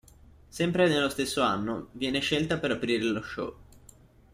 Sempre nello stesso anno viene scelta per aprire lo show.